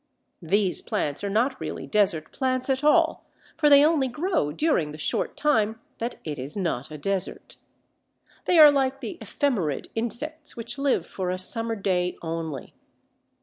These plants are not really desert plants at all, for they only grow during the short time that it is not a desert. They are like the Ephemerid insects which live for a summer day only.